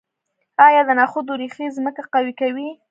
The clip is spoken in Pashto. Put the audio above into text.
آیا د نخودو ریښې ځمکه قوي کوي؟